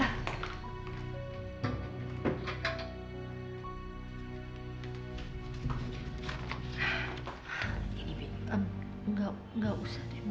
gak usah deh bu